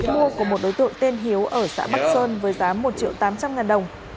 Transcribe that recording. mua của một đối tượng tên hiếu ở xã bắc sơn với giá một triệu tám trăm linh ngàn đồng